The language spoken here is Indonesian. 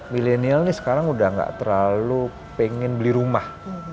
milenial ini sekarang udah gak terlalu pengen beli rumah